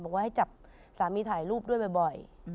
บอกว่าให้จับสามีถ่ายรูปด้วยบ่อย